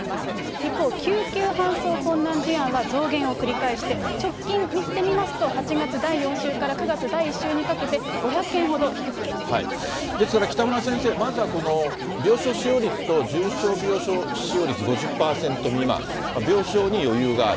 一方、救急搬送困難事案は増減を繰り返して、直近見てみますと、８月第４週から９月第１週にかけて、５００件ほど低くなっていまですから北村先生、まずはこの病床使用率と、重症病床使用率５０％未満、病床に余裕がある。